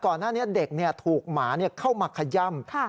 ก่อนหน้านี้เด็กถูกหมาเข้ามาขย่ำ